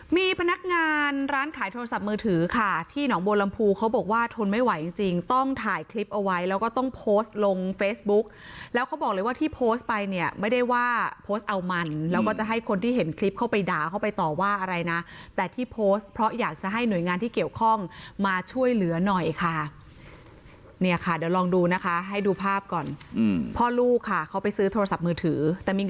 มีพนักงานร้านขายโทรศัพท์มือถือค่ะที่หนองโบรมภูเขาบอกว่าทนไม่ไหวจริงจริงต้องถ่ายคลิปเอาไว้แล้วก็ต้องโพสต์ลงเฟซบุ๊กแล้วเขาบอกเลยว่าที่โพสต์ไปเนี่ยไม่ได้ว่าโพสต์เอามันแล้วก็จะให้คนที่เห็นคลิปเข้าไปด่าเข้าไปต่อว่าอะไรนะแต่ที่โพสต์เพราะอยากจะให้หน่วยงานที่เกี่ยวข้องมาช่วยเหลือหน่อยค่ะเ